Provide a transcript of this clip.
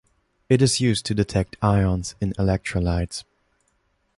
It is used to detect ions in electrolytes.